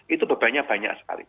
itu bebannya banyak sekali